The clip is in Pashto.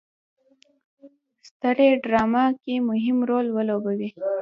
سترې ډرامه کې مهم رول ولوبوي.